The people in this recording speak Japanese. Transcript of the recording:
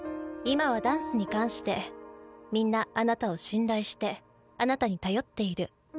今はダンスに関してみんなあなたを信頼してあなたに頼っている。